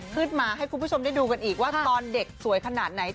ขึ้นมาให้คุณผู้ชมได้ดูกันอีกว่าตอนเด็กสวยขนาดไหน